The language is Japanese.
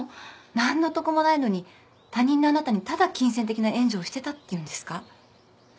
何の得もないのに他人のあなたにただ金銭的な援助をしてたっていうんですか？